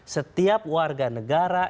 setiap warga negara